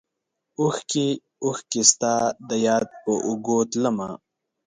اوښکې ، اوښکې ستا دیاد په اوږو تلمه